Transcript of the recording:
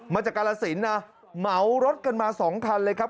มาจากกาลสินนะเหมารถกันมา๒คันเลยครับ